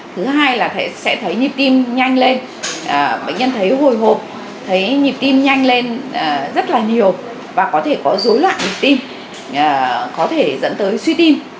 thứ hai là sẽ thấy nhịp tim nhanh lên bệnh nhân thấy hồi hộp thấy nhịp tim nhanh lên rất là nhiều và có thể có dối loạn nhịp tim có thể dẫn tới suy tim